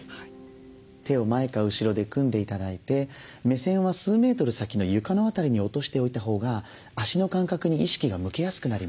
手を前か後ろで組んで頂いて目線は数メートル先の床の辺りに落としておいたほうが足の感覚に意識が向きやすくなります。